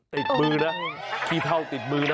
ติดมือนะขี้เท่าติดมือนะ